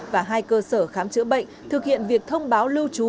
và hai cơ sở khám chữa bệnh thực hiện việc thông báo lưu trú